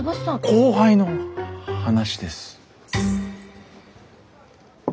後輩の話です。